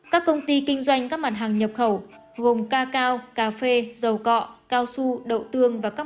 các công ty kinh doanh các mặt hàng nhập khẩu gồm cacao cà phê dầu cọ cao su đậu tương và các